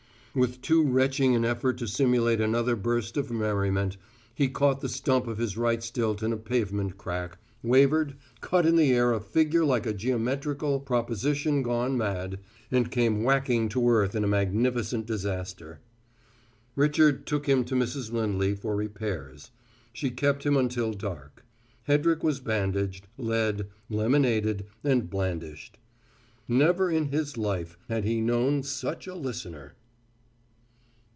With too retching an effort to simulate another burst of merriment, he caught the stump of his right stilt in a pavement crack, wavered, cut in the air a figure like a geometrical proposition gone mad, and came whacking to earth in magnificent disaster. Richard took him to Mrs. Lindley for repairs. She kept him until dark: Hedrick was bandaged, led, lemonaded and blandished. Never in his life had he known such a listener.